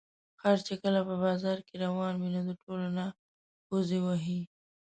خر چې کله په بازار کې روان وي، نو د ټولو نه پوزې وهي.